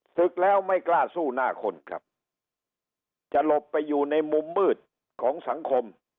ศึกแล้วไม่กล้าสู้หน้าคนครับจะหลบไปอยู่ในมุมมืดของสังคม